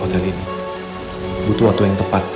yang kenangan buat aku tadi